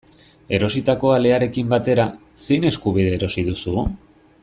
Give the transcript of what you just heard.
Erositako alearekin batera, zein eskubide erosi duzu?